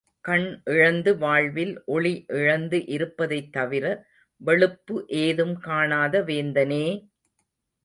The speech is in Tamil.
கண் இழந்து வாழ்வில் ஒளி இழந்து இருப்பதைத்தவிர வெளுப்பு ஏதும் காணாத வேந்தனே!